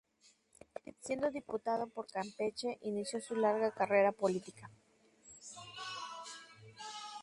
Siendo diputado por Campeche inició su larga carrera política.